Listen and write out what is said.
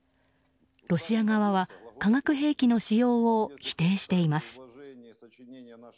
ロシア側は化学兵器の使用を否定しています。